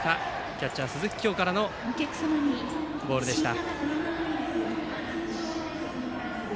キャッチャー、鈴木叶からのボールでした。